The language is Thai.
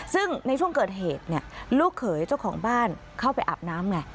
ซึ่งในช่วงเกิดเหตุลูกเขยเจ้าของบ้านเข้าไปอาบน้ำไง